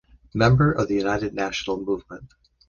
Member of the United National Movement.